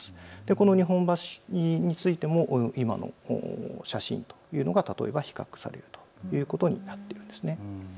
この日本橋についても今の写真というのが例えば比較されるということになっています。